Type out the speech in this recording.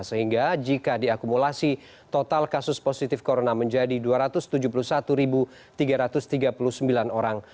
sehingga jika diakumulasi total kasus positif corona menjadi dua ratus tujuh puluh satu tiga ratus tiga puluh sembilan orang